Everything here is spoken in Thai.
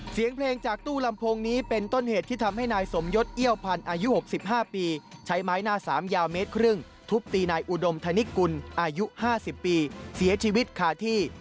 เสียงเพลงจากตู้ลำโพงนี้เป็นต้นเหตุที่ทำให้นายสมยศเอี้ยวพันธุ์อายุ๖๕ปีใช้ไม้หน้าสามยาวเมตรครึ่งทุบตีนายอุดมธนิกุลอายุ๕๐ปีเสียชีวิตคาที่